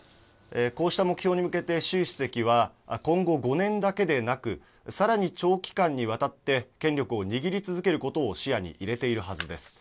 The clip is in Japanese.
こうした目標に向けて、習主席は今後５年だけでなく、さらに長期間にわたって権力を握り続けることを視野に入れているはずです。